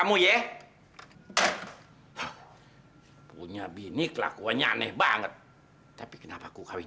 mati aja deh kali